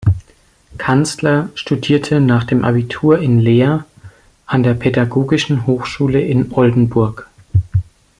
Canzler studierte nach dem Abitur in Leer an der Pädagogischen Hochschule in Oldenburg.